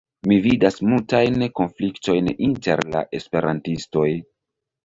Mi vidas multajn konfliktojn inter la esperantistoj.